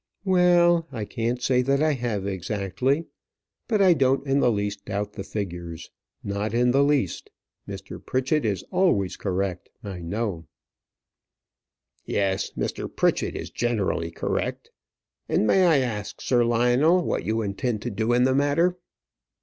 "Well, I can't say that I have exactly; but I don't in the least doubt the figures, not in the least; Mr. Pritchett is always correct, I know." "Yes, Mr. Pritchett is generally correct. And may I ask, Sir Lionel, what you intend to do in the matter?"